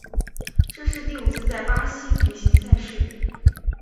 这是第五次在巴西举行赛事。